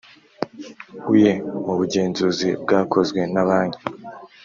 uye mu bugenzuzi bwakozwe na Banki